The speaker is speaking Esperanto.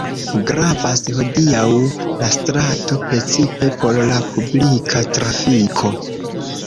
Gravas hodiaŭ la strato precipe por la publika trafiko.